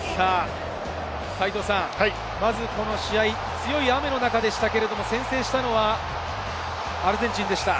強い雨の中でしたけれど、先制したのはアルゼンチンでした。